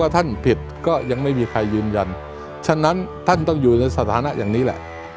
ท่านผิดก็ยังไม่มีใครยืนยันฉะนั้นท่านต้องอยู่ในสถานะอย่างนี้แหละ